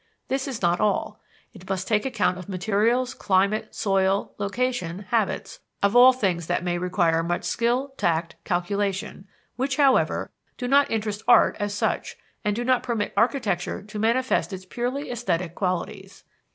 This is not all: it must take account of materials, climate, soil, location, habits of all things that may require much skill, tact, calculation, which, however, do not interest art as such, and do not permit architecture to manifest its purely esthetic qualities."